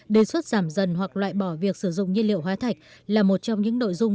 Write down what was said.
đề xuất giảm dần hoặc loại bỏ việc sử dụng nhiên liệu hóa thạch là một trong những nội dung